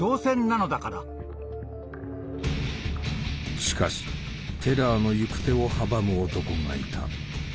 しかしテラーの行く手を阻む男がいた。